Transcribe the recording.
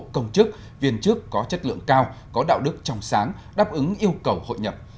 công chức viên chức có chất lượng cao có đạo đức trong sáng đáp ứng yêu cầu hội nhập